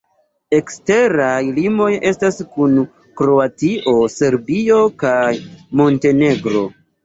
Eksteraj limoj estas kun Kroatio, Serbio kaj Montenegro.